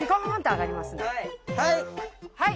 はい！